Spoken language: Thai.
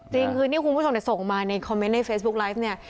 จริงคือนี่คุณผู้ชมส่งมาในคอมเมนต์ในเฟซบุ๊คไลฟ์เนี่ย